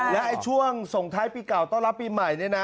และช่วงส่งท้ายปีเก่าต้อนรับปีใหม่เนี่ยนะ